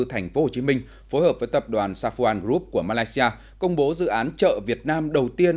tp hcm phối hợp với tập đoàn safuan group của malaysia công bố dự án chợ việt nam đầu tiên